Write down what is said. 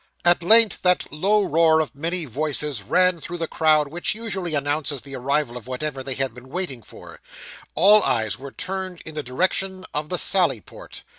At length that low roar of many voices ran through the crowd which usually announces the arrival of whatever they have been waiting for. All eyes were turned in the direction of the sally port.